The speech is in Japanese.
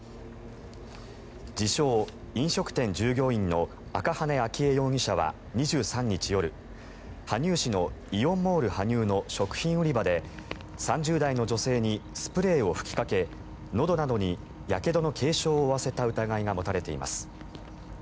自称・飲食店従業員の赤羽純依容疑者は２３日夜羽生市のイオンモール羽生の食品売り場で３０代の女性にスプレーを吹きかけのどなどにやけどの軽傷を負わせた疑いが持たれています。